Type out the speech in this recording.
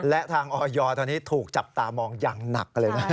และทางออยตอนนี้ถูกจับตามองอย่างหนักเลยนะ